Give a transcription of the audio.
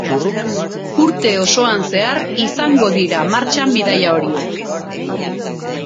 Urte osoan zehar izango dira martxan bidaia horiek.